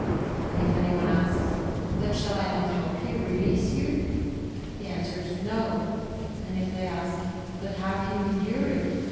And if anyone asks: 'But shall I not help you, release you?' he answers: 'No.' And if they ask: 'But how can you endure it?'